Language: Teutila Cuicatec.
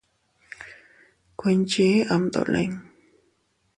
Kuinchi am dolin.